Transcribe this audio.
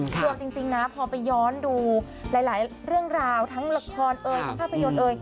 กลัวจริงนะพอไปย้อนดูหลายเรื่องราวทั้งละครทั้งภาพยนต์